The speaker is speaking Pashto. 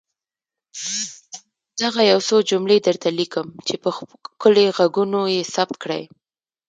دغه يو څو جملې درته ليکم چي په ښکلي ږغونو يې ثبت کړئ.